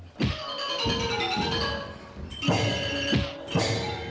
หรือการเชิด